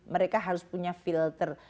mereka harus punya filter